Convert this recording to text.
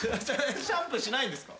シャンプーしないんですか？